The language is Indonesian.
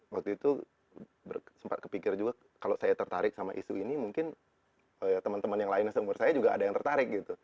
waktu itu sempat kepikir juga kalau saya tertarik sama isu ini mungkin teman teman yang lainnya seumur saya juga ada yang tertarik gitu